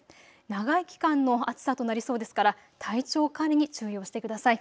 長い期間の暑さとなりそうですから体調管理に注意をしてください。